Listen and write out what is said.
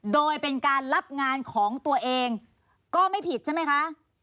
โดยเป็นการรับงานของตัวเองก็ไม่ผิดใช่ไหมคะ